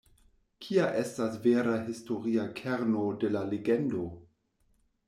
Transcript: Kia estas vera historia kerno de la legendo?